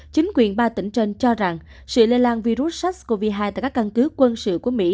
chính quyền ba tỉnh trên cho rằng sự lây lan virus sars cov hai tại các căn cứ quân sự của mỹ